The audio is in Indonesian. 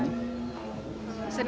sering sering main ke sini